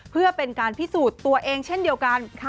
เพื่อเป็นการพิสูจน์ตัวเองเช่นเดียวกัน